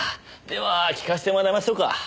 では聞かせてもらいましょうか。